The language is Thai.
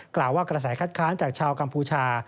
กล่าวว่ากระแสคัดค้านจากชาวกัมพูชา